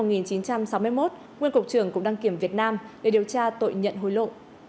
nguyên cục trưởng cục đăng kiểm việt nam để điều tra tội nhận hối lộ